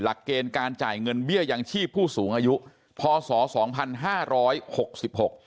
หลักเกณฑ์การจ่ายเงินเบี้ยอย่างชีพผู้สูงอายุพศ๒๕๖๖